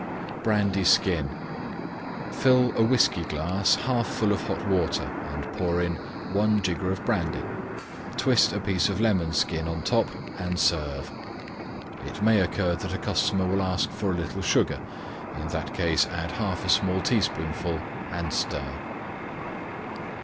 BRANDY SKIN Fill a Whiskey glass 1/2 full Hot Water and pour in: 1 jigger Brandy. Twist a piece of Lemon Skin on top and serve. (It may occur that a customer will ask for a little Sugar. In that case add 1/2 small teaspoonful, and stir).